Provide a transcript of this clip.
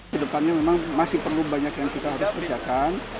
kedepannya memang masih perlu banyak yang kita harus kerjakan